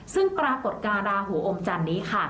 ซึ่งปรากฏการณ์ราหูอมจันนี้ค่ะ